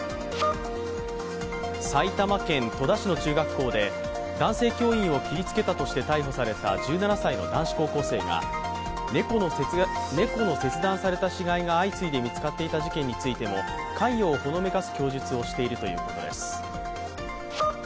埼玉県戸田市の中学校で男性教員を切りつけたとして逮捕された１７歳の男子高校生が猫の切断された死骸が相次いで見つかっていた事件についても関与をほのめかす供述をしているということです。